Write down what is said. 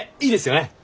いいですよね？